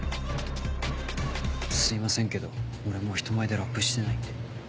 すいませんけど俺もう人前でラップしてないんで。